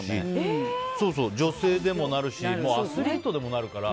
女性でもなるしアスリートでもなるから。